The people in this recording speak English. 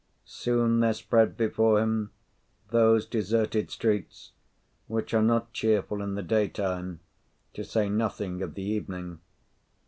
Soon there spread before him those deserted streets, which are not cheerful in the daytime, to say nothing of the evening.